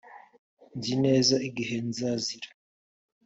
nzi neza igihe nzazira